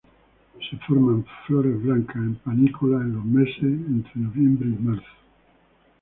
Flores blancas se forman en panículas en los meses de noviembre a marzo.